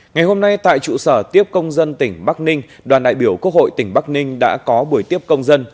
ngày hôm nay tại trụ sở tiếp công dân tỉnh bắc ninh đoàn đại biểu quốc hội tỉnh bắc ninh đã có buổi tiếp công dân